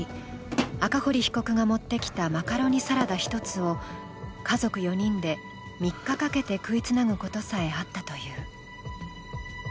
赤堀被告が持ってきたマカロニサラダ１つを家族４人で３日かけて食いつなぐことさえあったという。